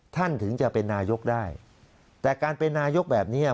ถึงจะเป็นนายกได้แต่การเป็นนายกแบบเนี้ย